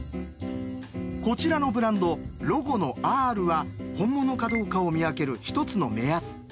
こちらのブランドロゴのＲは本物かどうかを見分ける一つの目安。